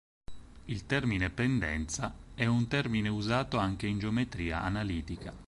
Il termine pendenza è un termine usato anche in geometria analitica.